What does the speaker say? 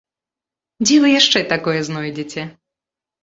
Дзе вы яшчэ такое знойдзеце?